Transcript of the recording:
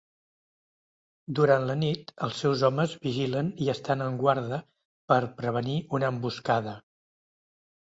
Durant la nit els seus homes vigilen i estan en guarda per prevenir una emboscada.